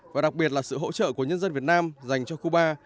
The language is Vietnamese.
và đặc biệt là sự hỗ trợ của nhân dân việt nam dành cho cuba